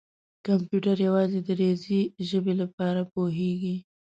کمپیوټر یوازې د ریاضي ژبې له لارې پوهېږي.